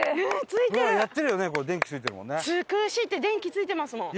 「つくし」って電気ついてますもん。